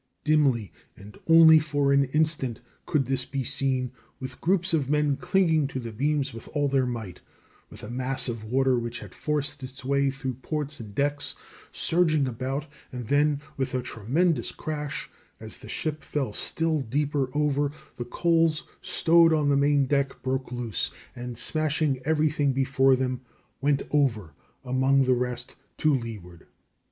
Dimly, and only for an instant, could this be seen, with groups of men clinging to the beams with all their might, with a mass of water, which had forced its way in through ports and decks, surging about, and then, with a tremendous crash, as the ship fell still deeper over, the coals stowed on the main deck broke loose, and smashing everything before them, went over among the rest to leeward.